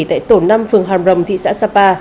tại tổ năm phường hàm rồng thị xã sapa